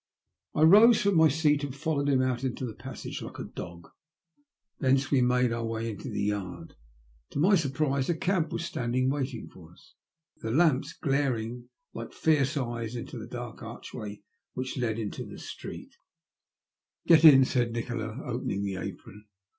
I rose from my seat and followed him out into the passage like a dog; thence we made our way into the yard. To my surprise a cab was standing waiting for us, the lamps glaring like fierce eyes into the dark archway which led into the street. U THB LOST OF OaTB, " Get in," Baid Nikola, opening tha apron.